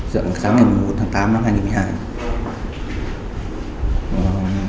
sáng ngày một tháng tám năm hai nghìn một mươi hai